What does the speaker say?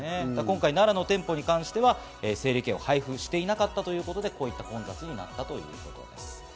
奈良の店舗に関しては整理券を配布していなかったということで、こういった問題になったということです。